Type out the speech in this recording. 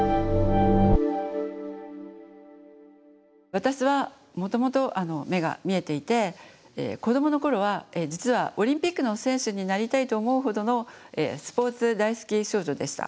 私はもともと目が見えていて子どもの頃は実はオリンピックの選手になりたいと思うほどのスポーツ大好き少女でした。